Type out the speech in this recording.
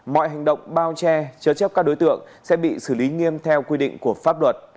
mọi hành động bao che chớ chấp các đối tượng sẽ bị xử lý nghiêm theo quy định của pháp luật